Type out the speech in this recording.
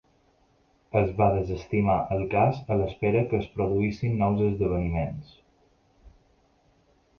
Es va desestimar el cas a l'espera que es produïssin nous esdeveniments.